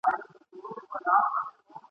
ته به ولي پر سره اور بریانېدلای ..